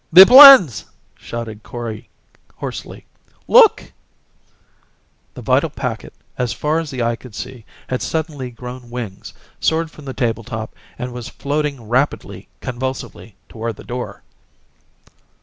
"The plans!" shouted Kori hoarsely. "Look " The vital packet, as far as the eye could see, had suddenly grown wings, soared from the table top, and was floating rapidly, convulsively, toward the door.